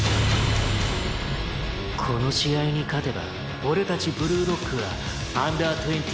「この試合に勝てば俺たちブルーロックはＵ−２０